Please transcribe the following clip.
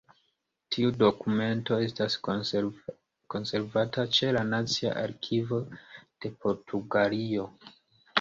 Tiu dokumento estas konservata ĉe la Nacia Arkivo de Portugalio.